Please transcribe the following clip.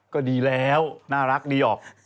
ก็ดีแล้วน่ารักดีออก